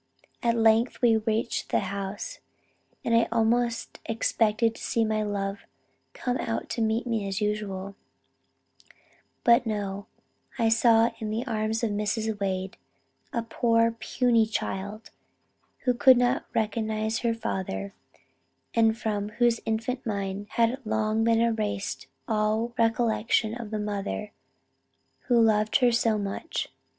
At length we reached the house; and I almost expected to see my love coming out to meet me as usual, but no, I only saw in the arms of Mrs. Wade, a poor puny child, who could not recognize her father, and from whose infant mind had long been erased all recollection of the mother who loved her so much.